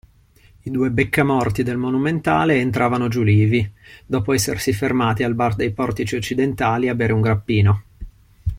I due beccamorti del Monumentale entravano giulivi, dopo essersi fermati al bar dei Portici Occidentali a bere un grappino.